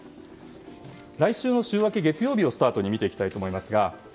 来週の週明け月曜日をスタートに見ていきます。